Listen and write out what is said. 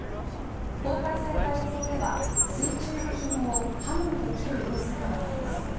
公開された映像では水中のひもを刃物で切る様子が分かります。